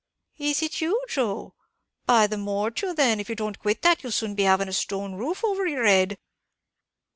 "Is it you, Joe? by the mortial then, if ye don't quit that, you'll soon be having a stone roof over yer head.